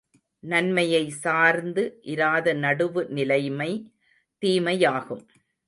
நன்மையைச் சார்ந்து இராத நடுவு நிலைமை தீமையாகும்.